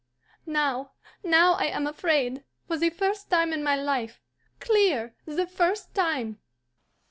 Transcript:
Now, now I am afraid, for the first time in my life, clear, the first time!"